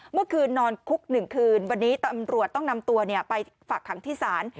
เมื่อคืนนอนคุก๑คืนวันนี้ตำรวจต้องนำตัวไปฝากขังที่ศาล